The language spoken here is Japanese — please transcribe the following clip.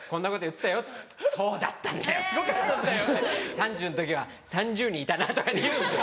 「３０歳の時は３０人いたな」とかって言うんですよ。